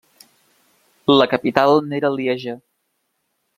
La capital n'era Lieja.